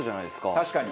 確かに。